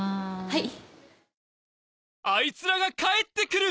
はい。